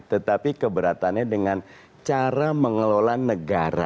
tetapi keberatannya dengan cara mengelola negara